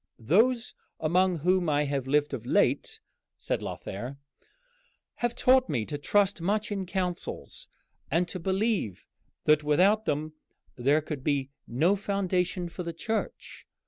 "Those among whom I have lived of late," said Lothair, "have taught me to trust much in councils, and to believe that without them there could be no foundation for the Church.